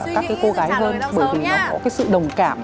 các cái cô gái hơn bởi vì nó có cái sự đồng cảm